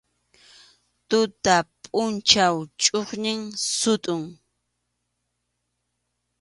Tuta pʼunchaw chʼuqñin sutʼun.